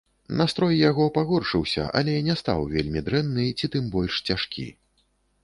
Настрой яго пагоршыўся, але не стаў вельмі дрэнны ці тым больш цяжкі.